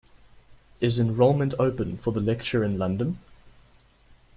Is enrolment open for the lecture in London?